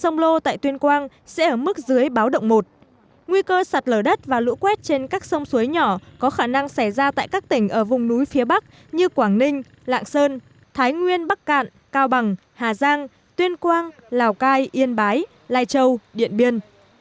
nguy cơ sạt lở đất và lũ quét trên các sông suối nhỏ có khả năng xảy ra tại các tỉnh ở vùng núi phía bắc như quảng ninh lạng sơn thái nguyên bắc cạn cao bằng hà giang tuyên quang lào cai yên bái lai châu điện biên